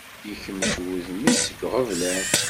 Yekmec wudem-is seg yiɣeblan.